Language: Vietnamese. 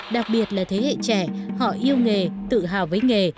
đặc biệt là thế hệ trẻ họ yêu nghề tự hào với nghề